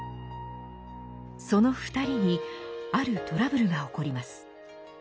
その２人にあるトラブルが起こります。